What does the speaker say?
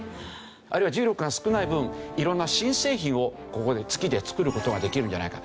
あるいは重力が少ない分色んな新製品をここで月で作る事ができるんじゃないか。